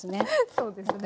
そうですね。